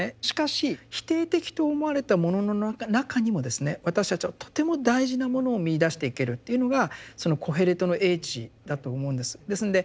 しかし否定的と思われたものの中にもですね私たちはとても大事なものを見いだしていけるっていうのがそのコヘレトの叡智だと思うんです。